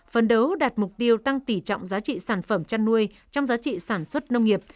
phấn đấu đạt mục tiêu tăng tỉ trọng giá trị sản phẩm chăn nuôi trong giá trị sản xuất nông nghiệp